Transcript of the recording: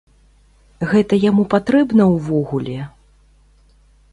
Гэта яму патрэбна ўвогуле?